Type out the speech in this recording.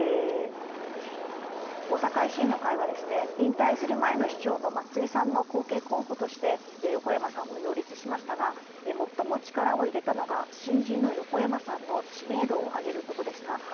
大阪維新の会はですね、引退する前の市長の松井さんの後継候補として、横山さんを擁立しましたが、最も力を入れたのが、新人の横山さんの知名度を上げることでした。